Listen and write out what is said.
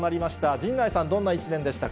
陣内さん、どんな１年でしたか？